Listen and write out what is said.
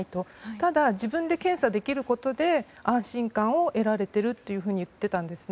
ただ、自分で検査できることで安心感を得られてるというふうに言っていたんですね。